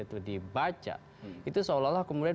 itu dibaca itu seolah olah kemudian